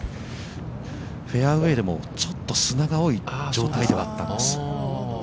◆フェアウェイでもちょっと砂が多い状態ではあったんです。